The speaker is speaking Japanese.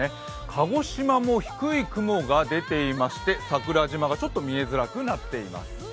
鹿児島も低い雲が出ていまして桜島がちょっと見えづらくなっています。